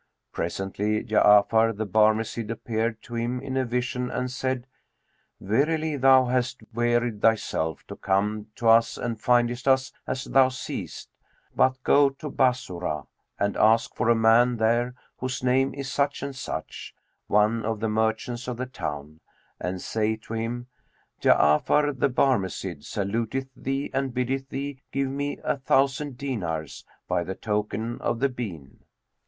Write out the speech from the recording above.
Presently Ja'afar the Barmecide appeared to him in a vision and said, "Verily thou hast wearied thyself to come to us and findest us as thou seest; but go to Bassorah and ask for a man there whose name is such and such, one of the merchants of the town, and say to him, 'Ja'afar, the Barmecide, saluteth thee and biddeth thee give me a thousand dinars, by the token of the bean.'"